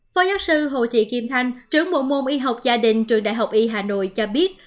phó giáo sư hồ thị kim thanh trưởng bộ môn y học gia đình trường đại học y hà nội cho biết